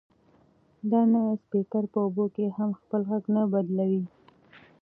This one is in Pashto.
دا نوی سپیکر په اوبو کې هم خپل غږ نه بدلوي.